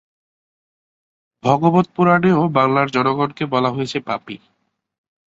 ভগবত পুরাণে ও বাংলার জনগণকে বলা হয়েছে ‘পাপী’।